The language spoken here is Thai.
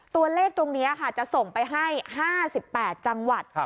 ตัวเลขตรงนี้ค่ะจะส่งไปให้๕๘จังหวัด